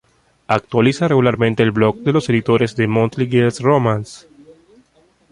Actualiza regularmente el blog de los editores de Monthly Girls' Romance.